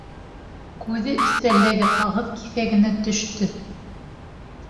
Күҙе өҫтәлдәге ҡағыҙ киҫәгенә төштө.